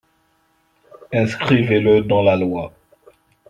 Inscrivez-le dans la loi